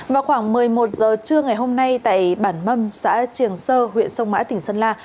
vào khoảng một mươi một giờ trưa ngày hôm nay tại bản mâm xã triềng sơ huyện sông mã tỉnh sơn la